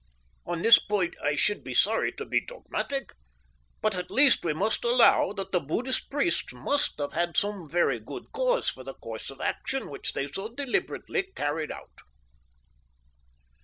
On this point I should be sorry to be dogmatic, but at least we must allow that the Buddhist priests must have had some very good cause for the course of action which they so deliberately carried out.